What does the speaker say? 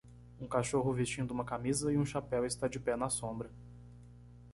Um cachorro vestindo uma camisa e um chapéu está de pé na sombra.